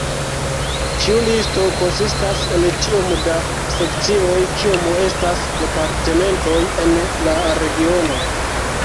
Ĉiu listo konsistas el tiom da sekcioj kiom estas departementoj en la regiono.